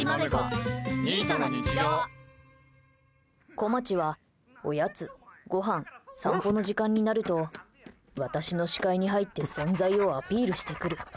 こまちは、おやつ、ごはん散歩の時間になると私の視界に入って存在をアピールしてくる。